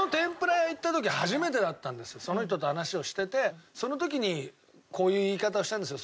その人と話をしててその時にこういう言い方をしたんですよ